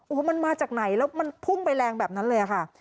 โอ้โหมันมาจากไหนแล้วมันพุ่งไปแรงแบบนั้นเลยค่ะ